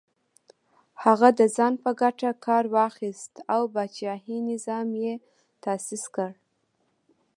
هغه د ځان په ګټه کار واخیست او پاچاهي نظام یې تاسیس کړ.